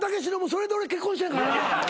それで俺結婚してんやからな。